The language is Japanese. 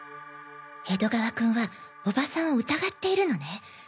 江戸川君はおばさんを疑っているのね。